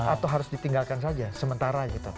atau harus ditinggalkan saja sementara gitu